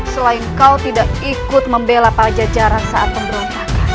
selain kau tidak ikut membela pajak jarak saat pemberontakan